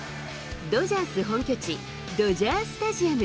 ドジャース本拠地、ドジャー・スタジアム。